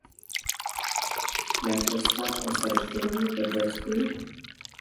ډاکټر ستا او ستا د کورنۍ په درد خوري.